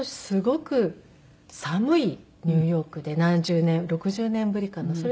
すごく寒いニューヨークで何十年６０年ぶりかな。